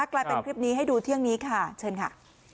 กลายเป็นคลิปนี้ให้ดูเที่ยงนี้ค่ะเชิญค่ะ